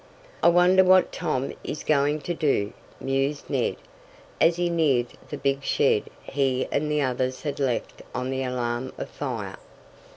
"I wonder what Tom is going to do?" mused Ned, as he neared the big shed he and the others had left on the alarm of fire.